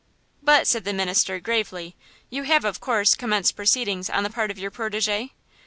"But," said the minister, gravely, "you have, of course, commenced proceedings on the part of your protégé."